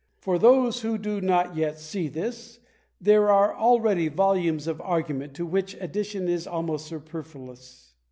For those who do not yet see this there are already volumes of argument to which addition is almost superfluous.